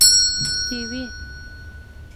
🥝 کیوي